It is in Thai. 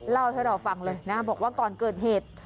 เล่าให้เราฟังเลยนะบอกว่าก่อนเกิดเหตุ